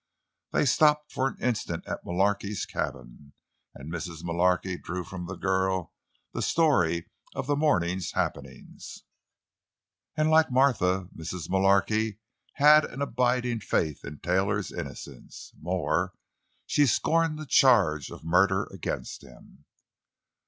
They stopped for an instant at Mullarky's cabin, and Mrs. Mullarky drew from the girl the story of the morning's happenings. And like Martha, Mrs. Mullarky had an abiding faith in Taylor's innocence. More—she scorned the charge of murder against him.